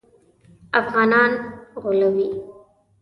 افغانان غولوي.